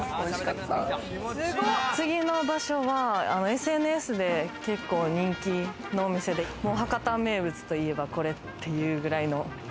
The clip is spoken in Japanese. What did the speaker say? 次の場所はＳＮＳで結構人気のお店で博多名物といえばこれっていうぐらいの。